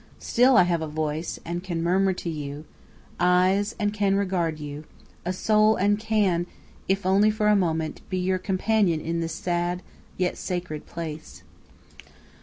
Still I have a voice and can murmur to you, eyes and can regard you, a soul and can, if only for a moment, be your companion in this sad, yet sacred, place."